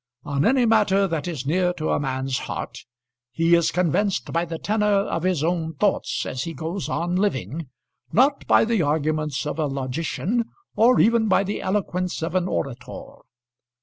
On any matter that is near to a man's heart, he is convinced by the tenour of his own thoughts as he goes on living, not by the arguments of a logician, or even by the eloquence of an orator.